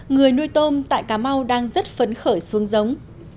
người nuôi tôm tại cà mau đang rất phấn khởi xuống giống